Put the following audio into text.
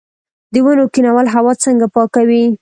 د ونو کینول هوا څنګه پاکوي؟